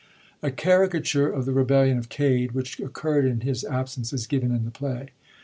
A cari cature of the rebellion of Cade, which occurrd in his absence, is g^ven in the play.